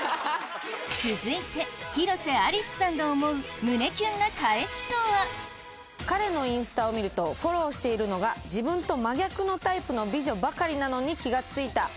続いて広瀬アリスさんが思う彼のインスタを見るとフォローしているのが自分と真逆のタイプの美女ばかりなのに気が付いた。